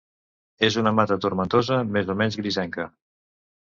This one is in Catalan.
És una mata tomentosa més o menys grisenca.